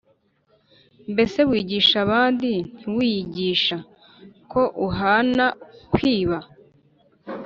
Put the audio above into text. Mbese wigisha abandi, ntiwiyigisha? Ko uhana kwiba